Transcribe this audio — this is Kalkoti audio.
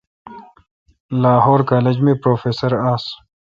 لاہور کالج می پروفیسر آس۔